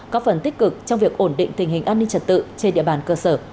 có phần tích cực trong việc ổn định tình hình an ninh trật tự trên địa bàn cơ sở